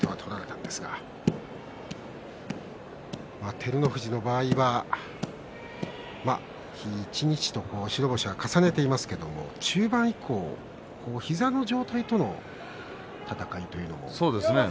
照ノ富士の場合は日一日と白星が重なっていますが中盤以降膝の状態との戦いというのもありますね。